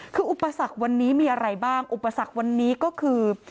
คืออุปสรรควันนี้มีอะไรบ้างอุปสรรควันนี้ก็คือ